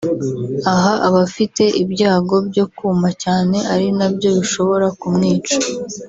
aha aba afite ibyago byo kuma cyane ari na byo bishobora kumwica